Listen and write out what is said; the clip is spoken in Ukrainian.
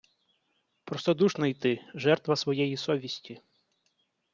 Простодушний ти, жертва своєї совісті.